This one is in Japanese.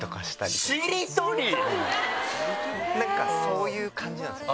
なんかそういう感じなんですよ。